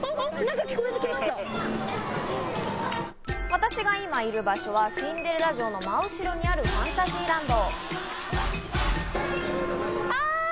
私が今いる場所は、シンデレラ城の真後ろにあるファンタジーランド。